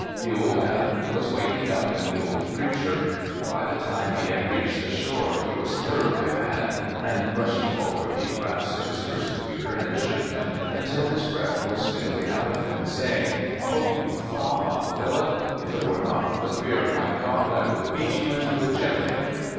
The old Adam was waking up in the old preacher. By the time he had reached the shore he was thoroughly ^lad, and rushing forward, he grasped his persecu tor and shook him until his ])reath was nearly shaken out of him, saying — "O you foul mouthed villain! If it were not 88 Father Cox. for the fear of mv God I would beat you into a jelly!"